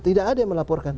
tidak ada yang melaporkan